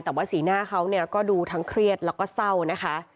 แต่ว่าสีหน้าเขาก็ดูทั้งเครียดแล้วก็เศร้านะคะ